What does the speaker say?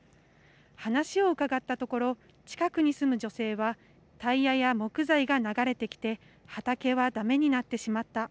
話を伺ったところ近くに住む女性はタイヤや木材が流れてきて畑はだめになってしまった。